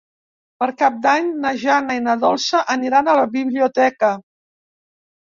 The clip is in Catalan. Per Cap d'Any na Jana i na Dolça aniran a la biblioteca.